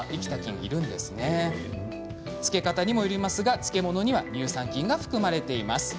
漬け方にもよりますが漬物には乳酸菌が含まれているんです。